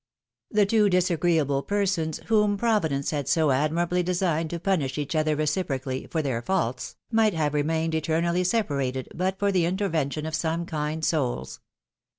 The two disagreeable persons, whom Providence had so admirably designed to punish each other reciprocally for their faults, might have remained eternally separated but PHILOMi^NE^S MARRIAGES. 323 for the intervention of some kind souls.